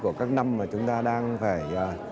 của các năm mà chúng ta đang phải